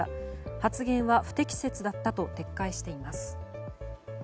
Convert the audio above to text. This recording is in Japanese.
発言は不適切だったと撤回しています。